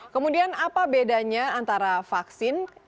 kemudian apa bedanya antara vaksin